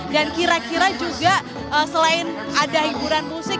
dan kira kira juga selain ada hiburan musik